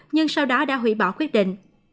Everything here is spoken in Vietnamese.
nhưng sau đó đã hủy bỏ quyết định